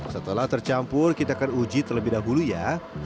setelah tercampur kita akan uji terlebih dahulu ya